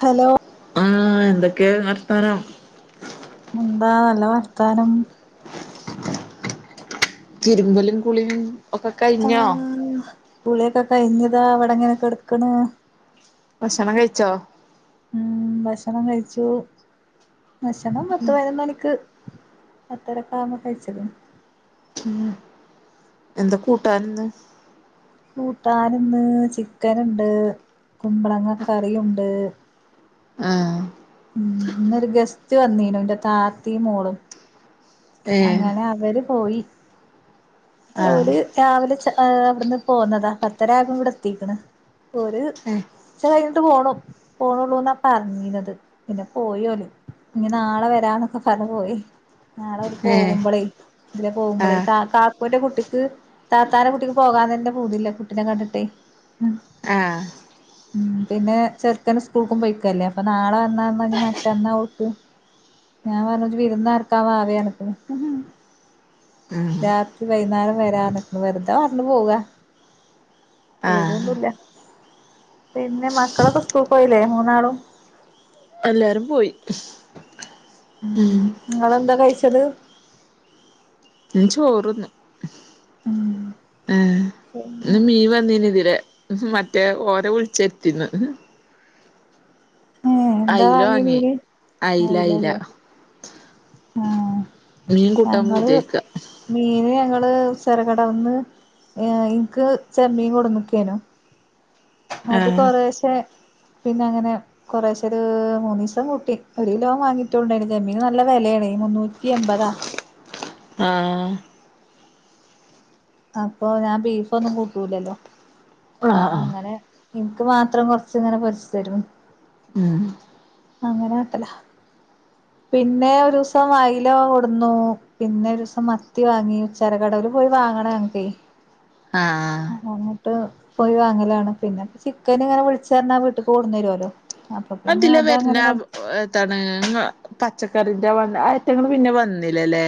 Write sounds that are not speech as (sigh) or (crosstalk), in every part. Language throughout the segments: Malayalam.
ഹലോ ആഹ എന്തൊക്കെയ വർത്താനം എന്താല്ല വർത്താനം തിരുമ്പലും കുളിയും ഒക്കെ കഴിഞ്ഞോ ആഹ് കുളിയക്കെ കയിഞ്ഞ് ഇതാ അവിടെ ങ്ങനെ കടക്കുനു ഭക്ഷണം കഴിച്ചോ ഉം ഭക്ഷണം കഴിച്ചു ഭക്ഷണം പതുപായിനോന്നനിക്ക് പത്തര കാമ കഴിച്ചത് ഉം എന്താ കൂട്ടാനന്ന് കൂട്ടാനന്ന് ചിക്കന് ണ്ട് കുമ്പളങ്ങ കറിയുണ്ട് ആഹ് ഉം ഇന്നൊരു ഗസ്റ്റ് വന്നീനു എന്റെ താത്തിയും മോളും ഏഹ് അങ്ങനെ അവര് പോയി ആഹ് ഓര് രാവിലെ ഏഹ് അവിടുന്ന് പോന്നതാ പത്തര ആയപ്പ ഇവിടെ എത്തിക്കണ് ഒര് ഏഹ് ഉച്ച ട്ട് പോണു പോണുള്ളന്ന പറഞ്ഞീന്നത് പിന്നെ പോയോല് ഇനി നാളെ വരാന്നൊക്കെ പറഞ്ഞ് പോയി നാളെ ഒര് ഏഹ് പോകുമ്പോളേ ഇതിലെ പോകുമ്പോളെ ആഹ് ത ക (unintelligible) കുട്ടിക്ക് താത്താനെ കുട്ടിക്ക് പോകാൻ തന്നെ പൂതില്ല കുട്ടിനെ കണ്ടിട്ടേ ഉം ആഹ് പിന്നെ ചെറുക്കന് സ്കൂൾക്കും പോയിക്കല്ലേ അപ്പൊ നാളെ വന്നന്ന് മറ്റന്നാ ഒക്ക് ഞാൻ പറഞ്ഞ ജ്ജ് വിരുന്ന് നോർക്കാൻ വാവേണക്ക് ഉം രാത്രി വൈകുന്നേരം വരാന്ന് ക്കെ വെറുതാ പറഞ്ഞു പോവ ആഹ് വരൊന്നുവില്ല പിന്നെ മക്കളൊക്കെ സ്കൂൾ പോയില്ലേ മൂന്നാളും എല്ലരും പോയി ഉം നിങ്ങളെന്താ കഴിച്ചത് ഞാൻ ചോർന്ന് ആഹ് പിന്നെ ഇന്ന് മീൻ വന്നീന് ഇതിലെ മറ്റേ ഓരെ വിളിച്ച് വരുത്തിന്ന് ഏഹ് എന്താ വാങ്ങിയ വാങ്ങി മീന് അയില അയില അയില്ലല്ലേ ആഹ് മീൻ കൂട്ടാൻ ഞങ്ങൾ പൂതിയായിക്ക മീന് നിങ്ങള് ചെറുകടവ്ന്ന് ഇക്ക് ചെമ്മീൻ കൊണ്ട്നിക്കേനു അത് ആഹ് കൊറെശെ പിന്നെ അങ്ങനെ കുറേശെ ഒരു മൂന്നിസം കൂട്ടി ഒരു കിലോം വാങ്ങിട്ടണ്ടായിരുന്നു ചെമ്മീന് നല്ല വിലയാണ് മുന്നൂറ്റി എമ്പതാ ആഹ് അപ്പൊ ഞാൻ ബീഫ്‌ ഒന്നും കൂട്ടൂലല്ലോ ആഹ് അങ്ങനെ എനിക്ക് മാത്രം കൊറച്ച് ഇങ്ങനെ പൊരിച്ച് തരും ഉം അങ്ങനെട്ടല പിന്നെ ഒരു ദിവസം അയില കൊടുന്നു പിന്നെ ഒരു ദിവസം മത്തി വാങ്ങി ചെറുകടവില് പോയി വാങ്ങണെ ഞങ്ങക്കെ അങ്ങനെ ആഹ് (unintelligible) പോയി വാങ്ങിലാണ് പിന്നെ ചിക്കൻ വിളിച്ചു പറഞ്ഞാൽ വീട്ടിക്കു കൊണ്ടന്നരുവല്ലോ അതില വരുന്ന ഇതാണ് പച്ചക്കറിടെ വ ഐറ്റങ്ങൾ പിന്നെ വന്നില്ലല്ലേ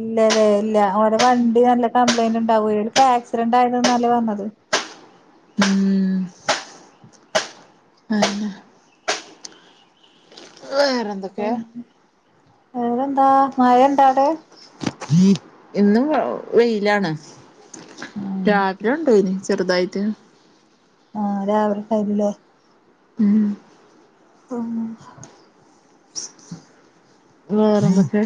ഇല്ലല്ലേ ഇല്ല ഓര വണ്ടി നല്ല കംപ്ലൈയിന്റ് ഉണ്ടാവും എടക്ക് ആക്സിഡന്റ് ആയത് ഇന്നലെ വന്നത് ഉം വേറെന്തെക്കെയാ വേറെന്താ മയ ഇണ്ട അവ്ടെ ഇന്ന് വെയിലാണ് ഉം രാത്രി ഉണ്ടയിന് ചെറുതായിട്ട് ആഹ് രാവിലെ ടൈമില് ഉം ആഹ് വേറെന്തേക്കെ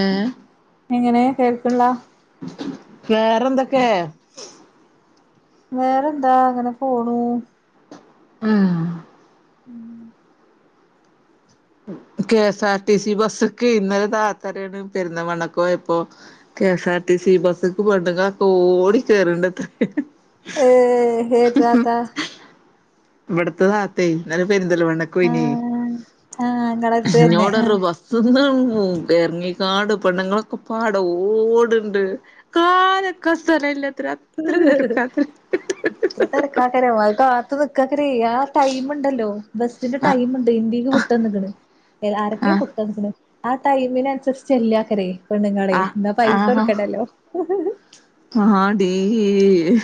ഏഹ് എങ്ങനെ കേൾക്കുള്ള വേറെന്തൊക്കെ വേറെന്താ അങ്ങനെ പോണു അ ഉം കെ എസ് ആർ ടിസി ബസ്സ്ക്ക് ഇന്നലെ താത്തറിയാണ് പെരുന്നമണ്ണക്കോയപ്പോ കെ എസ് ആർ ടിസി ബസ്സ്ക്ക് പെണ്ണുങ്ങളൊക്കെ ഓടി കേറണ്ടത്ര ഏ ഹെ താത ഇവടത്ത താത്തയ് ഇന്നലം പെരുന്തൽമണ്ണക്ക് ഒയ്നി ആഹ് ആഹ് ഇങ്ങളെടുത്ത് തന്നെ ഇന്നോടൊരു ആഹ് ബസ്ന്ന് ഉം ഇറങ്ങി കാട് പെണ്ണ്ങ്ങളൊക്കെ പാടെ ഓട്ണ്ട് കാലക്കാ സ്ഥലല്ല അത്ര തിരക്കാക്കരം അത്കാത്ത് നിക്കാക്ക (unintelligible) അ ടൈമുണ്ടല്ലോ ബസ്സിന്റെ ആഹ് ടൈമ്ണ്ട് ഇന്റീക്ക് വിട്ടന്ന്ക്ക്‌ണ് യെ ആരൊക്കെ ആഹ് (unintelligible) ആ ടൈമിന് അനുസരിച്ച്ല്ലാക്കരേ പെണ്ണ്ങ്ങളെയ് ഇന്നാ ആഹ് പൈസ ആഹാ കൊടുക്കണ്ടല്ലോ ഈ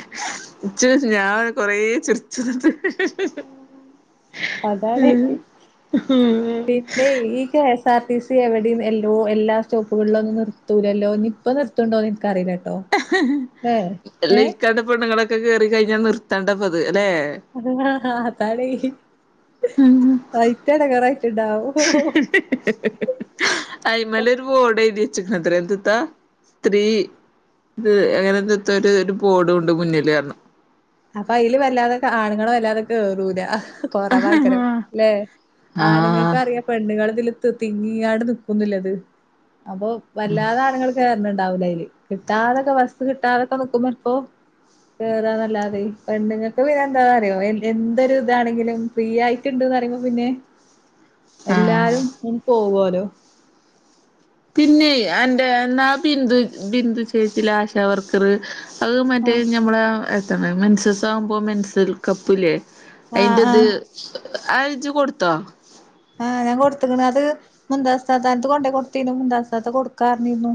ച്ച് ഞാൻ കൊറേ ച്ചിർച്ച് ഹലോ അതാണേയ് പിന്നെ ഈ ക്യാഷ് താർട്ടീസി എവിടിം എല്ലോ എല്ലാ സ്റ്റോപ്പുകളിലൊന്നും നിർത്തൂലല്ലോ ഇനി ഇപ്പ നിർത്തുണ്ടോ എന്ന് എനിക്കറിയില്ല അല്ല ഇക്കണ്ട പെണ്ണുങ്ങളൊ ക്കെ കേറി കഴിഞ്ഞാ നിർത്തണ്ടപ്പത് അല്ലെ അത് ആ ആ അതാണേയ് ഐറ്റ എടങ്ങാറായി അയ്മല് ഒരു ബോടെഴുതി വെ ച്ച്ക്ക്ണത്രേ എന്ത്ത്താ സ്ത്രീ എ അങ്ങനെ എന്ത്താ ഒരു ബോഡുണ്ട് മുന്നില് അറിഞ്ഞു അപ്പൊ അയില് വല്ലാതെ ആണുങ്ങള് വല്ലാതെ കേറൂല അഹ് കൊറവാക്കരം പറഞ്ഞു ല്ലേ ആണ്ങ്ങൾക് ആഹ് അറിയ പെണ്ണ്ങ്ങള് ഇതില് ത് തിങ്ങിക്കാണ്ട് നിക്കുന്നില്ലത് അപ്പൊ വല്ലാതെ ആണ്ങ്ങള് കേർനി ണ്ടാവൂല അയില് കിട്ടാതൊക്കെ വസ്സ് കിട്ടാതൊക്കെ നിക്കുമ്പോ ഇപ്പോ കേറാന്നല്ലാതെ തയ് പെണ്ണുങ്ങൾക്ക് പിന്നെ എന്താ അറിയോ എന്തൊരു ഇതാണെങ്കിലും ഫ്രീ ആയിട്ടുണ്ട് ന്നറിമ്പോ പിന്നെ ആഹ് എല്ലാരും ഉം പോവോലോ ലോ പിന്നെയ് അന്റെ എന്നാ ബിന്ദു ബിന്ദു ചേച്ചില്ലെ ആശാവർക്കറ് അഹ് മറ്റേ ഞമ്മളേ ആ ത മെൻസസ്സ്‌ ആവുമ്പോ മെൻസറൽ കപ്പ്ല്ലേ ആഹ് അയിന്റെത് ആഹ് അത് ഇജ്ജ് കൊടുത്തോ ആഹ് ഞാൻ കൊട്ത്ത്ക്ക്ണ് അത് മുന്താസ് താത്താന്റടുത്ത് കൊണ്ടോയ് കൊടുത്തീന്നു മുന്താസ് താത്ത കൊടുക്കാറഞ്ഞിരുന്നു.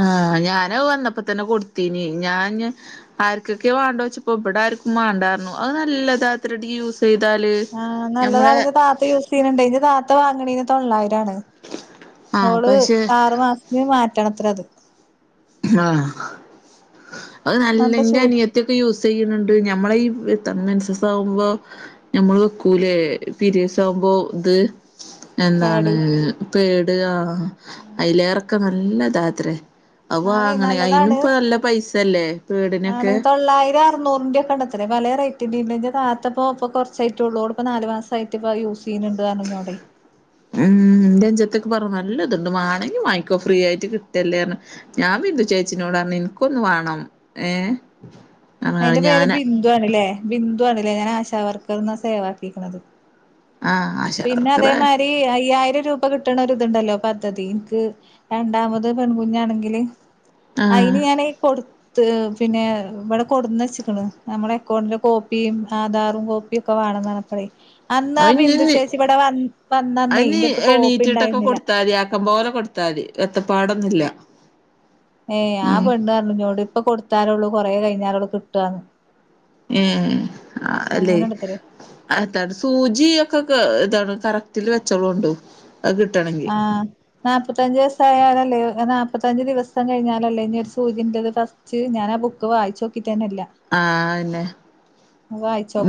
ആ ഞാനവ് വന്നപ്പോ തന്നെ കൊടുത്തീനി ഞാന് ആർക്കൊക്കെ വാണ്ടോച്ചപ്പോ ഇബടെ ആർക്കു മാണ്ടർഞ്ഞു അത് നല്ലതാത്ര ടിയൂസ് ആഹ് നല്ലതാണ്ത് താത്ത യൂസ് ചെയ്യണ് ണ്ടേ ഇത് ന്റെ താത്ത വാ വാങ്ങ്ണീന് തൊള്ളായിര രാണ് ആഹ് ഓള് പക്ഷെ ആറ് മാസത്തിന് വാ പറ്റണത്രേ അത്. ആ അത് നല്ല അങ്ങൻത്തെ ചൂ ഇന്റെ അനിയത്തിയൊ ക്കെ യൂസ് ചെയ്യ്ണ് ണ്ട് ഞമ്മളെ ഈ (unintelligible) മൻസസാവുമ്പോ ഞമ്മൾ വെക്കൂലേ പിരിയട്‌സ് ആവുമ്പോ ഇത് എന്താണ് പാഡ് പേ (unintelligible) അയിലേറെക്ക നല്ലതാത്രേ. അത് ആണേ വാങ്ങാണേ നല്ലതാണ് അയിനുപ്പം നല്ല പൈസ സല്ലെ. ആണ് തൊള്ളായിരം അറുന്നൂറിന്റെക്കെണ്ടത്രേ പലെ റേ (unintelligible) ന്റെ താത്തപ്പോ ഇപ്പൊ കൊർച്ചായിട്ടുള്ളൂ ഓള് ഇപ്പൊ നാല് മാസായിട്ട് ഇപ്പ യൂസ്യ്യുന്നുണ്ട് പറഞ്ഞു ന്നോടെ. ഉം ഇന്റെ അൻജത്തിക്കെ പറഞ്ഞു നല്ല ഇതുണ്ട് മാണെങ്കി മാങ്ങിക്കോ ഫ്രീ ആയിട്ട് കിട്ടല്ലേറഞ്ഞു ഞാൻ ബിന്ദു ചേച്ചിനോട് പറഞ്ഞു ഇൻക്കൊന്ന് വേണം ഏ അയിന്റെ പേര് ഞാൻ ബിന്ദു ആണ്ലേ ബിന്ദു ന്ദു ആണ്ലേ ഞാൻ ആശാവർക്കർന്നാ സേവാക്കിക്ക്ണത്. ആ ആശാ പിന്നെ വർക്കറെ അതേമാതിരി അയ്യായിരം രൂപ കിട്ടണ ഒരു ത്ണ്ടല്ലോ പദ്ധതി ഇൻക്ക് രണ്ടാമത് പെൺകുഞ്ഞാണെങ്കില് ആ അയിന് ഞാന് കൊടു ത്ത് പിന്നെ ഇവിടെ കൊടുന്നച്ച്‌ക്ക്ണ് നമ്മുടെ അക്കൗണ്ടിലെ കോപ്പിയും ആധാറും കോപ്പിയും ക്കെ വാണംന്ന് പറഞ്ഞപ്പളെ അന്നാ ബിന്ദു ചേ അയിനീ കോപ്പി എണീറ്റിട്ടൊക്കെ ഉണ്ടായിരുന്നില്ല കൊടുത്താ മതി ആക്കം പോലെ കൊടുത്താ മതി വത്തപ്പാടന്നും ന്നില്ല. ഏ ആ പെണ്ണ് പറഞ്ഞു നോട് ഇപ്പൊ കൊടുത്താലള്ളൂ കൊറേ കഴിഞ്ഞാലള്ളു കിട്ടാന്ന്. ഉം ആ അല്ലെ അങ്ങനെണ്ടത്രേ എത്താണ് സൂചി ഒക്കെ ക്കെ എത്താണ് കറക്റ്റില് വെച്ചളോണ്ടു. ആ നാല്പ്പത്തഞ്ചു ദിവസായാലല്ലേ നാൽപ്പത്തഞ്ചച് ദിവസം കഴിഞ്ഞാലല്ലേ ഇനി ഒരു സൂചി ള്ളത് ഫസ്റ്റ് ഞാൻ ആ ബുക്ക് വായിച്ച നോക്കി ആ ആന്നെ.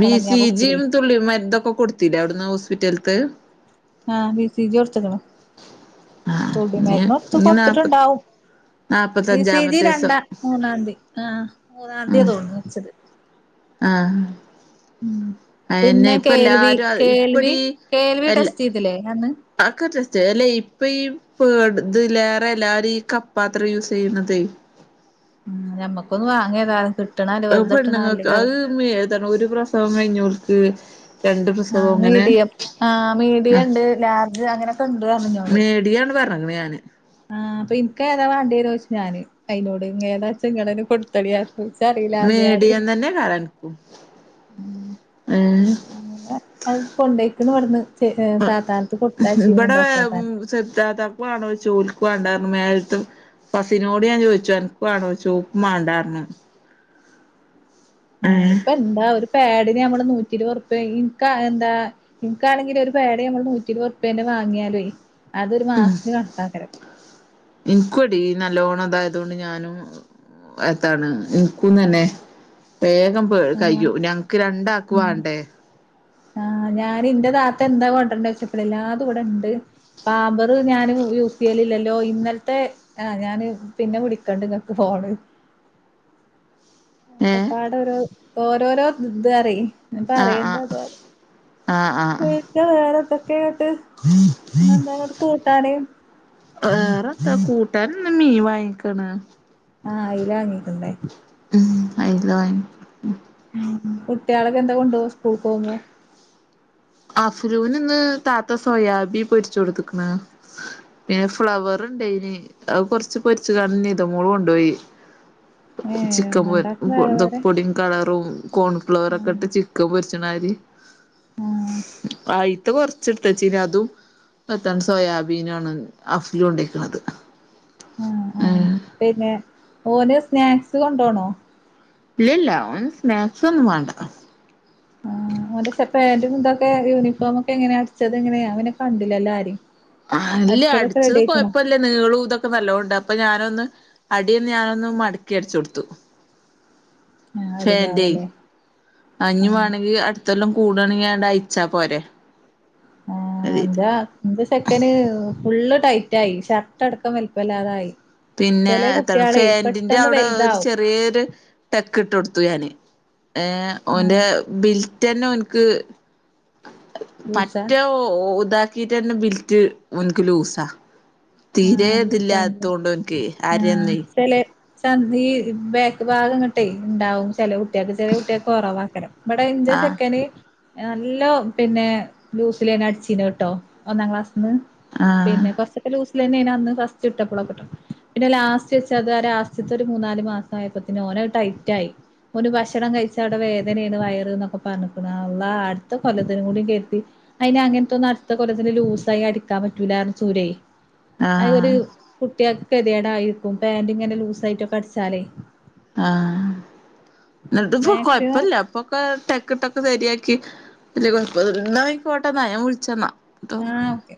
ബീ ഇനി സീ ആ ജി ബുക്കിലേ യും തുള്ളി മര്ന്നൊക്കെ കൊടുത്തില്ല അവിടന്ന് ഹോസ് പിറ്റൽ ആ ബി സി ജി കൊടുത്ക്ക്ണ് ആഹ് തുള്ളി ഇനി മരന്ന്ടുത്ത് ഇനി നാപ്പത്തി കൊട്ത്തിട്ടുണ്ടാവും ബി സി ജി നാപ്പത്തഞ്ചാമത്തെ ദിവസം രണ്ടാ മൂന്നാംതി ആ മൂന്നാംതിയ തോന്നു വെച്ചത് ആ ഉ പിന്നെ കേൽവി എല്ലാരും കേൽവി ഇപ്പടി കേൽവി എല്ല ടെസ്റ്റ് ചെയതില്ലേ അന്ന് അതൊക്കെ ടെസ്റ്റ് അല്ലെ ഇപ്പ ഈ പേട ഇതിലേറെ എല്ലരും ഈ കപ്പാത്രം യൂസ് ചെയ്യുന്നതെ ഉം ഞമ്മക്കൊന്ന് വാങ്ങിയേതാലും കിട്ടണല്ലേ വെറുതെ കിട്ടണല്ലേ പെണ്ണുങ്ങൾക്ക് അത് ഏതാണ് ഒരു പ്രസവം കഴിഞ്ഞവർക്ക് ആ മീഡിയം ആ ആ മീഡിയം ഉണ്ട് ലാർജ് അങ്ങനെയൊക്കെ ഇണ്ട് അഞ്ഞോട് അങ്ങനെയാണ് ആ അപ്പൊനിക്ക് ഏതാ വേണ്ടേ ചോയ്ച്ചു ഞാന് അതിനോട് ഏതാച്ചും കൊടുത്തളിയ മീഡിയ തന്നെ കാരൻ ഉം ഉ അങ്ങെ അല്പ്പുണ്ട് എ വവിന്ന് ആ ഇവിടെ താത്താന് താതാക്കുവണോ ഓയ്ച്ച് ഓല്ക്ക് വണ്ടനർഞ്ഞു പസിനോട് ഞാൻ ചോദിച്ചു അൻക്ക്വാണോയ്ച്ചു ഓല്ക്ക് മണ്ടാർഞ്ഞ് ആ ഇപ്പൊ എന്താ ഒരു- പാടിന് നമ്മള് നൂറ്റിരുപത് ഉർപ്യ ഇൻക്ക് എന്താ നിനക്ക്ണെങ്കിൽ ഒരു പേട നമ്മള് നൂറ്റി ഇരുപത്ഉർപ്യാന്റെ വാങ്ങിയാല ഉ ഇൻക്ക്എടി നല്ലോണം അതായതൊണ്ട് ഞാനും എത്താണ് എനിക്കും തന്നെ പേ ആഹ് കയ്യോ ഞങ്ങക്ക് രണ്ടാക്ക് വണ്ടേ ആഹ ഞാൻ ഇന്റെ താത്ത എന്താ കൊണ്ടരണ്ട വെച്ചപ്പള എല്ലാതും ഇവിടെ ഇണ്ട് പാബറ് ഞാൻ യൂസ് ചെയ്യലില്ലല്ലോ ഇന്നലത്തെ ആ ഞാന് പിന്നെ വിളിക്കണ്ട് ഇങ്ങക്ക് ഫോണ് ഏ ഒക്കെപ്പാട ഒരു ഓരോരോ ഇത് അറിയേ ആഹ് പറയണ്ട ആഹ് അത ആഹ് ആഹ് വച്ച വ ക്കെ എന്നന്തവിടെ കൂട്ടാന് കൂട്ടൻ മീ വാങ്ങിക്കണ് ആ അയല വാങ്ങീട്ടണ്ട് (unintelligible) കുട്ടികളൊക്കെ എന്താ കൊണ്ട സ്കൂൾ പോകുമ്പോ അഫലൂന് ഇന്ന് താത്ത സോയാബി പൊരിച്ച കൊടുത്തക്കണ് പിന്നെ ഫ്ലവർ ഉണ്ടഏനി അത് കൊറച്ച് പൊരിച്ചകണ്ട് നിതുമോള കൊണ്ടോയി ഏ ചിക്കൻ ഒന്നുണ്ടാക്കും വേറെ പൊന്ത വേറെ പൊടിയും കളറും കോൺഫ്ലവറ ആ ഒക്കെ ഇട്ട് ചിക്കൻ പൊ ചനാരി ആ അയിത്തെ കൊറച്ച് എടുത്തച്ചീനു അതും താണ് സോയാബീനാണ് അഫ്‌ലു കൊണ്ടരിക്കണത് ആ ആ പിന്നെ ഓന് സ്നാക്സ് കൊണ്ടോണോ ഇല്ലല്ല ഓന് സ്നാക്സ് ഒന്നും വേണ്ട ആ അവന്റെ പക്ഷെ പാന്റ് യൂണിഫോമ ഒക്കെ എങ്ങനെ അടി ച്ചത് എങ്ങനെയാ അവനെ കണ്ടില്ലല്ലോ ആരിം അല്ലേ അടിച്ചതൊക്കെ അടിച്ചത് റെഡി ആയിക്ക്ണോ കൊഴപ്പല്ലേ നീളും ഇതൊക്കെ നല്ലതോണ്ട് അപ്പൊ ഞാനൊന്ന് അടിയന്ന് ഞാനൊന്ന് മടക്കി അടിച്ചു കൊടുത്തു ആ ഫെന്റ് അടിഭാഗല്ലേ ആ ഞ്ഞി വാണെങ്കിൽ അടുത്തല്ലാം കൂടണിങ്കിൽ ഒന്ന് അയച്ചാ പോരെ ആ കരുതീട്ട്. എന്താ എന്ത ചെക്കന് ഫുള് ടൈ റ്റായി ഷർട്ട് അടക്കം വലുപ്പല്ലാതായി പിന്നെ എത്താണ് ഫാൻറിന്റെ അവിടെ ഒരു വലുതാവും ചെറിയൊരു ടെക്ക് ഇട്ട് കൊടുത്തു ഞാന് ഏ ആ ഓന്റെ ബിൽറ്റ്ന്നെ ഓൻക്ക് ലൂസാ പറ്റെ ത കിടന്നാരുന്ന ബിൽറ്റ് ഓന്ക് ലൂസാ ആ തീരെ ലൂസാണല്ലേ ഇതില്ലാത്തുകൊണ്ട് ആഹ് അരന്ന് ചെലെ ചന്തി ബാക്ക് ഭാഗംങ്ങട്ടെ ഉണ്ടാവും ചേലെ കുട്ടിയാൾക്ക് കോറവാക്കരം ഇവിടെ ഇന്റെ ആഹ് ചെക്കന് നല്ലോ പിന്നെ ലൂസിലേ അടിച്ചീനുട്ടോ ഒന്നാം ക്ലാസ് ആഹ് പിന്നെ കൊറച്ചൊക്കെ ലൂസ് ഫസ്റ്റ് ഇട്ടപ്പള കിട്ടും പിന്നെ ലാസ്റ്റ് വെച്ച അത് ലാസ്റ്റ് ത്തെ ഒരു മൂന്നാല് മാസം ആയപ്പോന്നെ ഓൻ ടൈറ്റ് ആയി. ഓന് ഭക്ഷണം കഴിച്ച അവിടെ വേദനയാണ് വയറ്ന്നൊക്കെ പറഞ്ഞകണ്. അല്ലഹ്.. അടുത്ത കൊലത്തി കൂടി കേരതി അതിനെ അങ്ങനത്തെന്നും അടുത്ത കൊലത്തിന് ലൂസായി അടിക്കാൻ പറ്റൂലായിസൂരെ അത് ഒരു ആഹ് കുട്ടിയക്ക്‌ കേതിയേടായിരിക്കും പാന്റ് ഇങ്ങനെ ലൂസ ആയിട്ടൊക്കെ അടിച്ചാലേ ആഹ എന്നിട്ട്പ്പ മാക്സിമം കൊഴപ്പില്ല അപ്പൊക്കെ ടെക്ക് ടെക് ശരിയാക്കി വല്യ കൊയപ്പന്നൂല്യ ആയിക്കോട്ടെന്ന ഞാൻ വിളിച്ചന്നാ ട്ടോ ആഹ ഓക്കെ